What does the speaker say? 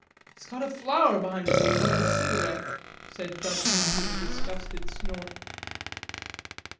"He's got a flower behind his ear, like a cigarette," said Judkins, with a disgusted snort.